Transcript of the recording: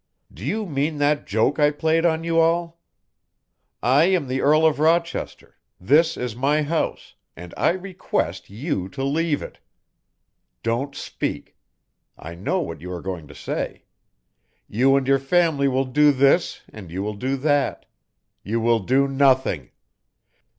"Do you mean that joke I played on you all? I am the Earl of Rochester, this is my house, and I request you to leave it. Don't speak. I know what you are going to say. You and your family will do this and you will do that. You will do nothing.